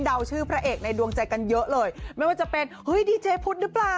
ชื่อพระเอกในดวงใจกันเยอะเลยไม่ว่าจะเป็นเฮ้ยดีเจพุทธหรือเปล่า